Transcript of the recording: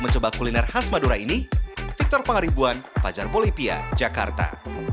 mencoba kuliner khas madura ini victor pangaribuan fajar bolivia jakarta